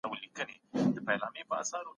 د څېړنې موندنې باید په دقت خپرې سی.